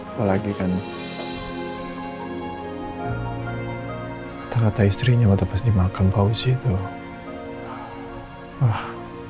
apalagi kan ternyata istrinya waktu pas dimakan pausi tuh